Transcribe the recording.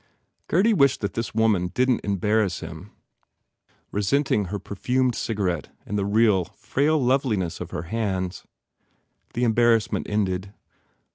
Gurdy wished that this woman didn t embar rass him, resenting her perfumed cigarette and the real, frail loveliness of her hands. The em barrassment ended.